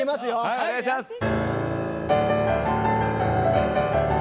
はいお願いします！